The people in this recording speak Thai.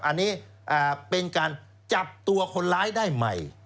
อันนี้เป็นการจับตัวคนร้ายได้ใหม่